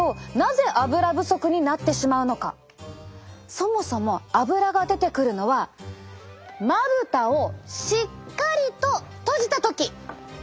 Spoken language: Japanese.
そもそもアブラが出てくるのはまぶたをしっかりと閉じた時。